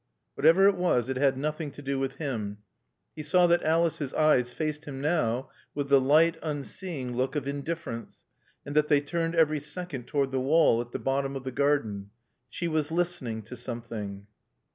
Whatever it was, it had nothing to do with him. He saw that Alice's eyes faced him now with the light, unseeing look of indifference, and that they turned every second toward the wall at the bottom of the garden. She was listening to something.